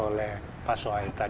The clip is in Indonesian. oleh pak soeh